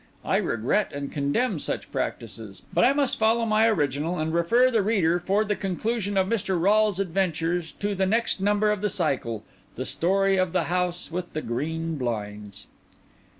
I regret and condemn such practices; but I must follow my original, and refer the reader for the conclusion of Mr. Rolles' adventures to the next number of the cycle, the Story of the House with the Green Blinds.)